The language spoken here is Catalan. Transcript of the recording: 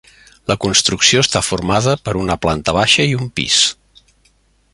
La construcció està formada per una planta baixa i un pis.